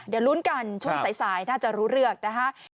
เดี๋ยวลุ้นกันช่วงสายน่าจะรู้เรื่องนะคะ